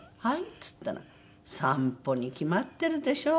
っつったら「散歩に決まってるでしょ」。